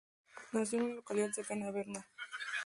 Nació en una localidad cercana a Berna.